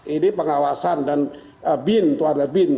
ini pengawasan dan bin tuwada bin